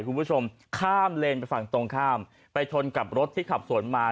คุณผู้ชมข้ามเลนไปฝั่งตรงข้ามไปชนกับรถที่ขับสวนมา